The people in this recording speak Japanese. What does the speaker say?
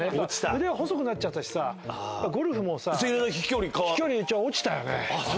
腕が細くなっちゃったしさゴルフもさ飛距離落ちたよね。